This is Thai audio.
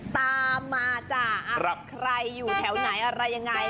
ตามมาจ้ะใครอยู่แถวไหนอะไรยังไง